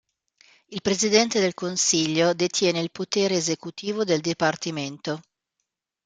Il presidente del consiglio detiene il potere esecutivo del dipartimento.